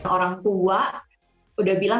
orang tua sudah bilang